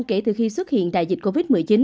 kể từ khi xuất hiện đại dịch covid một mươi chín